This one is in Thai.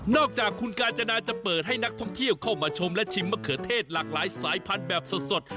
จากคุณกาญจนาจะเปิดให้นักท่องเที่ยวเข้ามาชมและชิมมะเขือเทศหลากหลายสายพันธุ์แบบสด